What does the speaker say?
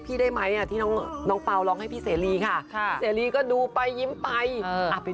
เกิดนานไปที่ข้างบนหัวใจยังดุ้งกระชวยกระชุมกัน